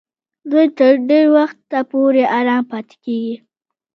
دوی تر ډېر وخت پورې آرام پاتېږي.